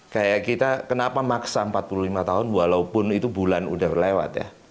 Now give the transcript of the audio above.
kayak kita kenapa maksa empat puluh lima tahun walaupun itu bulan udah berlewat ya